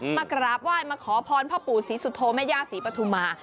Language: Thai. มากราบไหว้มาขอพรพ่อปู่ศรีสุโธแม่ย่าศรีปฐุมา